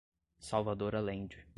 Salvador Allende